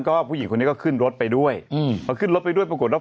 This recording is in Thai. ก็ผู้หญิงคนนี้ก็ขึ้นรถไปด้วยอืมพอขึ้นรถไปด้วยปรากฏว่า